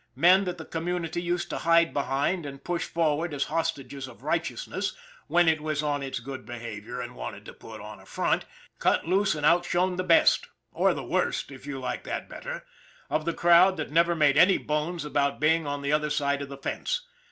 Men that the community used to hide behind and push forward as hostages of righteousness, when it was on its good be havior and wanted to put on a front, cut loose and out shone the best or the worst, if you like that better of the crowd that never made any bones about being on the other side of the fence.